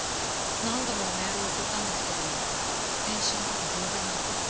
何度もメールを送ったんですけど返信とか全然なくて。